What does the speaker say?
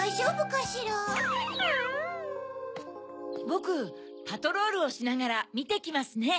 ぼくパトロールをしながらみてきますね。